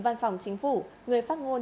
văn phòng chính phủ người phát ngôn